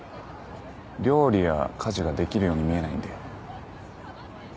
料理や家事ができるように見えないんで。